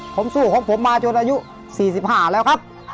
ผมสู้ของผมมาจนอายุ๔๕แล้วครับ